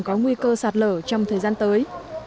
có nguy cơ sạt lở trong thời gian tới